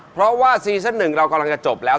เพราะว่าซีซั่น๑เรากำลังจะจบแล้ว